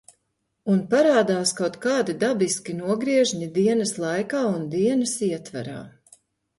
Un parādās kaut kādi dabiski nogriežņi dienas laikā un dienas ietvarā.